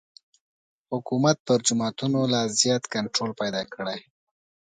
حکومت پر جوماتونو لا زیات کنټرول پیدا کړي.